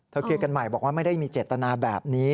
เคลียร์กันใหม่บอกว่าไม่ได้มีเจตนาแบบนี้